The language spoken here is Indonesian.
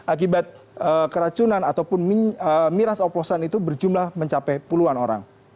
akibat keracunan ataupun miras oplosan itu berjumlah mencapai puluhan orang